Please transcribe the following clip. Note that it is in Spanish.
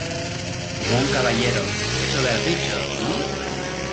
como un caballero. ¿ eso le has dicho, no?